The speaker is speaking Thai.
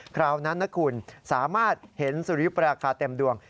คราวนั้นนะคุณสามารถเห็นสุริยุปราคาเต็มดวง